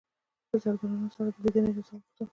د سردارانو سره د لیدلو اجازه وغوښتل.